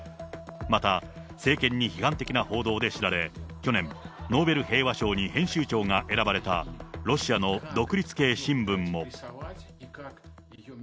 また政権に批判的な報道で知られ、去年、ノーベル平和賞に編集長が選ばれたロシアの独立系新聞も。